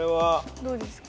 どうですか？